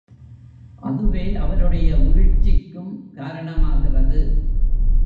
அதுவே அவருடைய வீழ்ச்சிக்கும் காரணமாகிறது.